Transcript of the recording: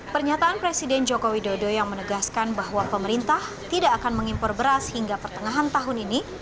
pernyataan presiden joko widodo yang menegaskan bahwa pemerintah tidak akan mengimpor beras hingga pertengahan tahun ini